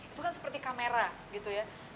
itu kan seperti kamera gitu ya